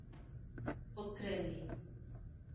Pocrane